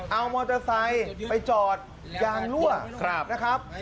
เอามอเตอร์ไซค์ไปจอดยางรั่วนะครับ